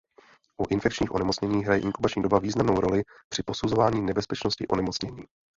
U infekčních onemocnění hraje inkubační doba významnou roli při posuzování nebezpečnosti onemocnění.